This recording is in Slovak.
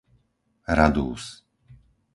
Radúz